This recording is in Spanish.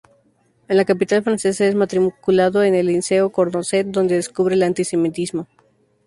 En la capital francesa es matriculado en el Liceo Condorcet, donde descubre el antisemitismo.